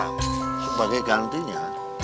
ah sebagai gantinya